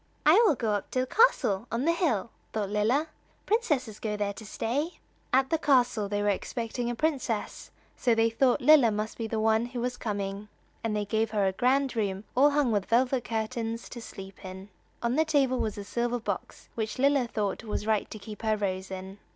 "I will go up to the castle on the hill," thought Lilla; "princesses go there to stay." At the castle they were expecting a princess, so they thought Lilla must be the one who was coming, and they gave her a grand room, all hung with velvet curtains, to sleep in. On the table was a silver box which Lilla thought just right to keep her rose in.